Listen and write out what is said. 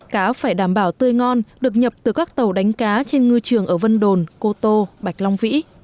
cá phải đảm bảo tươi ngon được nhập từ các tàu đánh cá trên ngư trường ở vân đồn cô tô bạch long vĩ